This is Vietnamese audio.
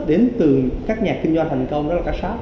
đến từ các nhà kinh doanh thành công đó là các sac